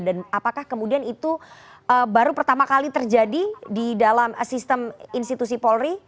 dan apakah kemudian itu baru pertama kali terjadi di dalam sistem institusi polri